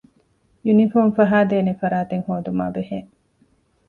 ޔުނީފޯމު ފަހައިދޭނެ ފަރާތެއް ހޯދުމާ ބެހޭ